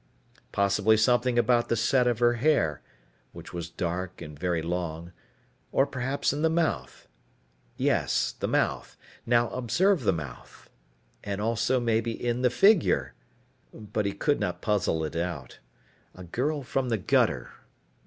Possibly something about the set of her hair, which was dark and very long, or perhaps in the mouth yes the mouth, now observe the mouth and also maybe in the figure.... But he could not puzzle it out. A girl from the gutter.